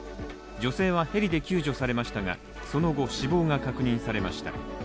女性はヘリで救助されましたがその後、死亡が確認されました。